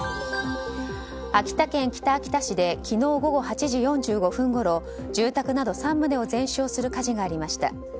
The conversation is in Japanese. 秋田県北秋田市で昨日午後８時４５分ごろ住宅など３棟を全焼する火事がありました。